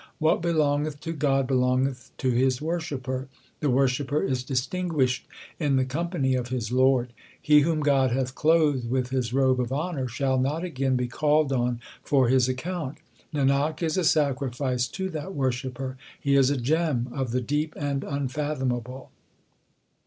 What belongeth to God belongeth to His worshipper ; the worshipper is distinguished in the company of his Lord. He whom God hath clothed with His robe of honour, Shall not again be called on for his account. Nanak is a sacrifice to that worshipper ; he is a gem of the Deep and Unfathomable.